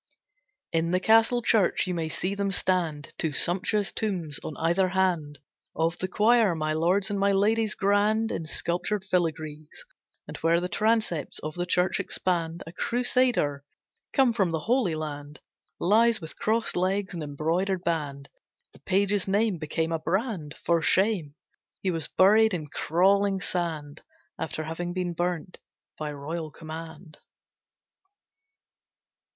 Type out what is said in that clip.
III In the castle church you may see them stand, Two sumptuous tombs on either hand Of the choir, my Lord's and my Lady's, grand In sculptured filigrees. And where the transepts of the church expand, A crusader, come from the Holy Land, Lies with crossed legs and embroidered band. The page's name became a brand For shame. He was buried in crawling sand, After having been burnt by royal command.